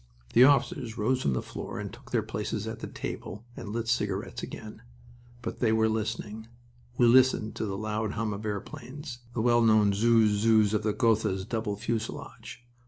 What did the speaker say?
The officers rose from the floor and took their places at the table, and lit cigarettes again. But they were listening. We listened to the loud hum of airplanes, the well known "zooz zooz" of the Gothas' double fuselage.